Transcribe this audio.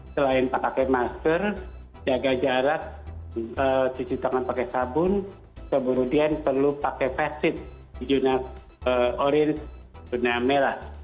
selain pakai masker jaga jarak cuci tangan pakai sabun kemudian perlu pakai vaksin di zona orange dan zona merah